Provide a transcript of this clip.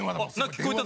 聞こえた。